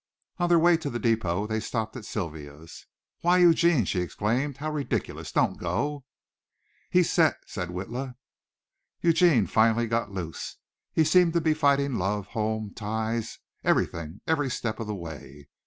On the way to the depot they stopped at Sylvia's. "Why, Eugene," she exclaimed, "how ridiculous! Don't go." "He's set," said Witla. Eugene finally got loose. He seemed to be fighting love, home ties, everything, every step of the way.